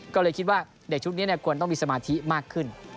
ก็เลยคิดว่าเด็กชุดนี้ควรต้องมีสมาธิมากขึ้น